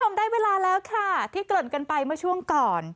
ได้เวลาแล้วค่ะที่เกริ่นกันไปเมื่อช่วงก่อน